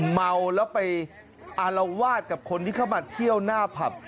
เมาแล้วไปอารวาสกับคนที่เข้ามาเที่ยวหน้าผับ